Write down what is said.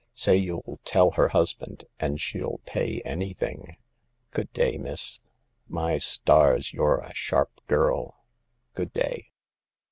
Say you'll tell her husband, and she'll pay anything. Good day, miss. My stars, you're a sharp girl ! Good day.''